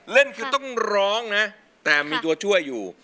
เล่นคือต้องร้องนะแต่มีตัวช่วยอยู่